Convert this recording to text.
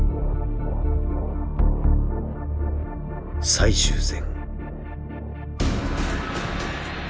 最終戦。